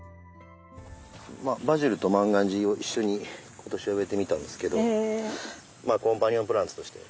バジルと万願寺を一緒に今年は植えてみたんですけどまあコンパニオンプランツとして。